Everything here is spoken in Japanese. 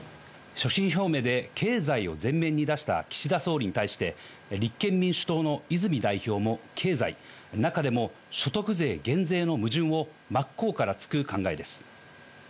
所信表明で経済を前面に出した岸田総理に対して立憲民主党の泉代表も経済、中でも所得税減税の矛盾を真っ向から突く考えです。